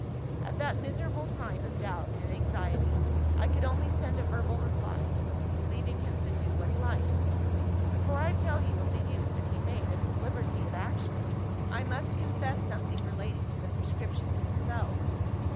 "At that miserable time of doubt and anxiety, I could only send a verbal reply, leaving him to do what he liked. Before I tell you of the use that he made of his liberty of action, I must confess something relating to the prescriptions themselves.